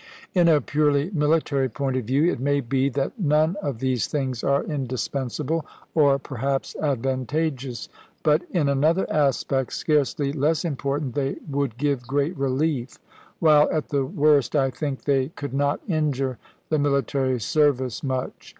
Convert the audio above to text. In a purely military point of view it may be that none of these things are indispensable, or perhaps advantageous ; but in another aspect, scarcely less important, they would give great relief ; while, at the worst, I think they could not injure the military service much.